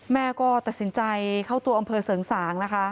แม่ก็ตัดสินใจเข้าตัวอำเภอเสริงสางนะคะ